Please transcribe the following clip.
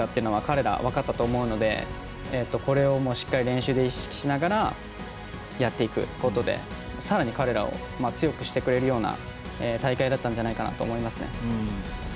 どういう雰囲気かというのは彼らも分かったと思うのでこれをしっかり練習で意識しながらやっていくことにさらに、彼らを強くしてくれるような大会だったんじゃないかなと思います。